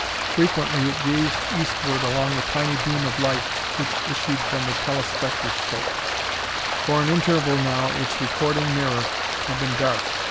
Frequently it gazed eastward along the tiny beam of light which issued from the telespectroscope. For an interval, now, its recording mirror had been dark.